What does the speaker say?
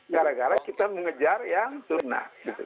gara gara kita mengejar yang sunnah